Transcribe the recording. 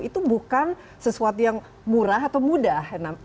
itu bukan sesuatu yang murah atau mudah